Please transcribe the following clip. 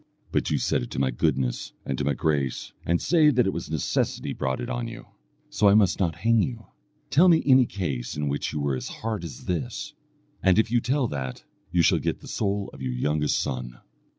But you set it to my goodness and to my grace, and say that it was necessity brought it on you, so I must not hang you. Tell me any case in which you were as hard as this, and if you tell that, you shall get the soul of your youngest son."